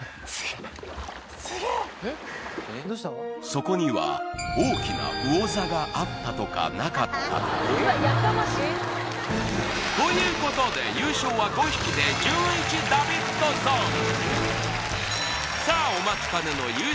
そこには大きな魚座があったとかなかったとかということで優勝は５匹でじゅんいちダビッドソン